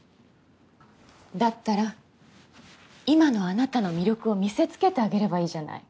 だったら今のあなたの魅力を見せつけてあげればいいじゃない。